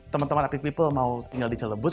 temen temen epic people mau tinggal di celebut